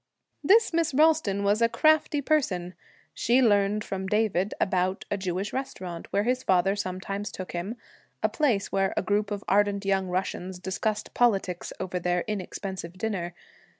This Miss Ralston was a crafty person. She learned from David about a Jewish restaurant where his father sometimes took him; a place where a group of ardent young Russians discussed politics over their inexpensive dinner.